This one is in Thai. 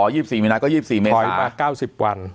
ยี่สิบสี่มีนาก็ยี่สิบสี่เมษาถอยมาเก้าสิบวัน